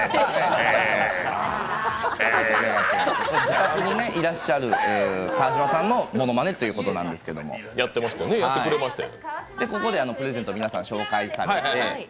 自宅にいらっしゃる川島さんのものまねということだったんですけれども、ここでプレゼントを皆さん紹介されて。